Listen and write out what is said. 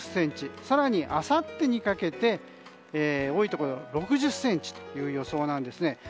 更にあさってにかけて多いところ６０ｃｍという予想なんですね。